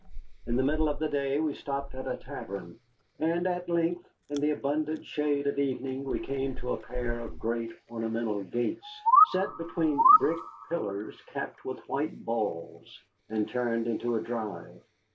In the middle of the day we stopped at a tavern. And at length, in the abundant shade of evening, we came to a pair of great ornamental gates set between brick pillars capped with white balls, and turned into a drive.